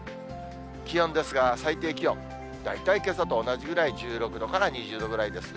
気温ですが、最低気温、大体けさと同じぐらい、１６度から２０度ぐらいですね。